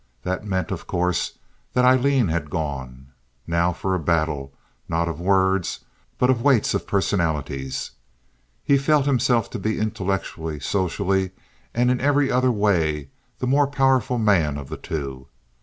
That meant, of course, that Aileen had gone. Now for a battle, not of words, but of weights of personalities. He felt himself to be intellectually, socially, and in every other way the more powerful man of the two.